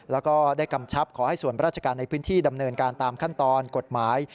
แล้วก็ได้กำชับขอให้ส่วนราชการในพื้นที่ดำเนินการตามขั้นตอนกฎหมาย